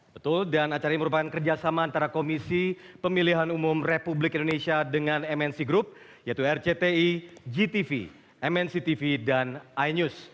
betul dan acara ini merupakan kerjasama antara komisi pemilihan umum republik indonesia dengan mnc group yaitu rcti gtv mnctv dan inews